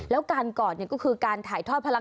แล้วการกอดก็คือการถ่ายทอดพลัง